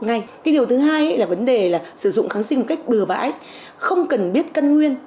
cái điều thứ hai là vấn đề là sử dụng kháng sinh một cách bừa bãi không cần biết căn nguyên